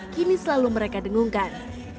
kini selalu mereka dengungkan